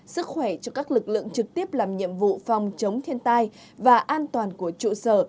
sức khỏe cho các lực lượng trực tiếp làm nhiệm vụ phòng chống thiên tai và an toàn của trụ sở